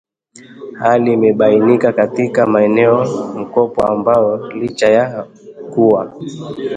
Hali hii imebainika katika maneno mkopo ambayo licha ya kuwa